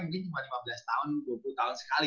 mungkin cuma lima belas tahun dua puluh tahun sekali